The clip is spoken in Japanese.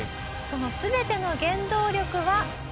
その全ての原動力は。